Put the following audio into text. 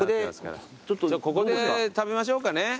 ここで食べましょうかね。